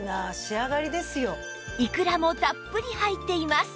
イクラもたっぷり入っています